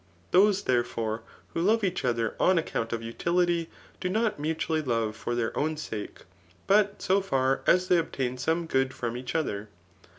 Those, therefore, who love each other on account of utility, do not mutually love for their own sake, but so far as they obtain some good from each other.